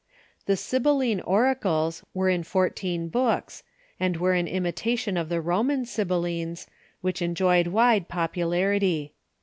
The Sibylline Oracles were in fourteen books, and Avere an imitation of the Roman Sibyllines, Avhich enjoyed wide popu larity.